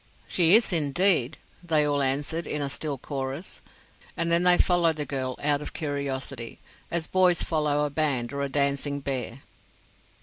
"She is, indeed," they all answered, in a still chorus, and then they followed the girl out of curiosity, as boys follow a band or a dancing bear.